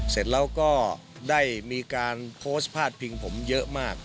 เสร็จแล้วก็ได้มีการโพสต์พาดพิงผมเยอะมาก